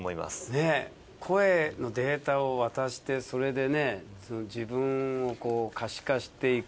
ねぇ声のデータを渡してそれでね自分を可視化していくっていう。